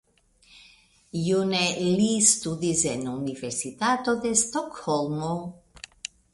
June li studis en Universitato de Stokholmo.